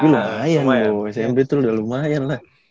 lumayan smp tuh udah lumayan lah